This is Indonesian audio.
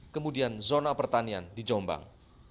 kemudian zona pertanian di jombang